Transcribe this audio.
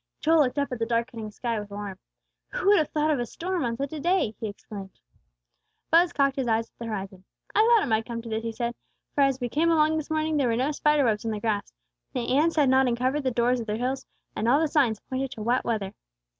Joel looked up at the darkening sky with alarm. "Who would have thought of a storm on such a day!" he exclaimed. Buz cocked his eyes at the horizon. "I thought it might come to this," he said; "for as we came along this morning there were no spider webs on the grass; the ants had not uncovered the doors of their hills; and all the signs pointed to wet weather.